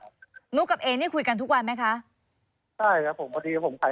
เพราะผมเป็นเพื่อนที่บ้านเพราะผมผู้ตายเขาไม่เคยเล่าเรื่องสถาบันให้ผมฟังเท่าไหร่